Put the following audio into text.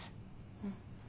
うん。